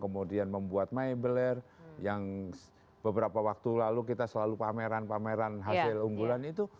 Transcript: kemudian membuat meibeler yang beberapa waktu lalu kita selalu pameran pameran hasil unggulan itu